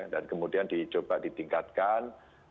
dan kemudian dicoba ditingkatkan